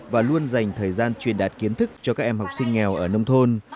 và luôn dành thời gian truyền đạt kiến thức cho các em học sinh nghèo ở nông thôn